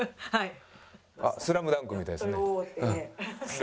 はい。